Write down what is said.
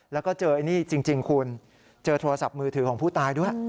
แล้วก็เจอไอ้นี่จริงคุณเจอโทรศัพท์มือถือของผู้ตายด้วย